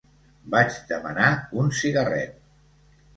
Vaig demanar un cigarret